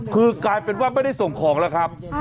คือกลายเป็นว่าไม่ได้ส่งของแล้วครับ